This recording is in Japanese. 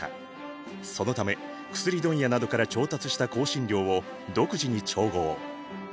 そのため薬問屋などから調達した香辛料を独自に調合。